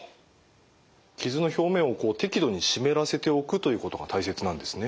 傷の表面を適度に湿らせておくということが大切なんですね。